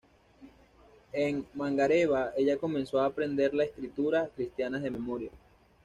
En Mangareva, ella comenzó a aprender las escrituras cristianas de memoria.